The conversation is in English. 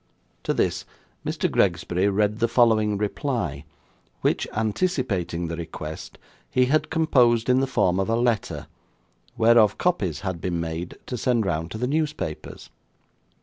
To this, Mr. Gregsbury read the following reply, which, anticipating the request, he had composed in the form of a letter, whereof copies had been made to send round to the newspapers.